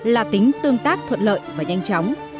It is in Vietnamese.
là tính tương tác thuận lợi và nhanh chóng